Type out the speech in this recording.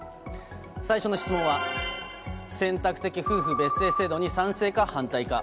最初の質問は、選択的夫婦別姓制度に賛成か反対か。